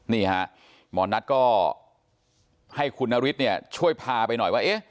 นี่ฮะหมอนัทก็ให้คุณนฤทธิ์เนี่ยช่วยพาไปหน่อยว่า